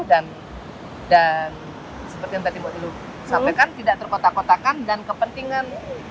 dan seperti yang tadi moknilu sampaikan tidak terkotak kotakan dan kepentingan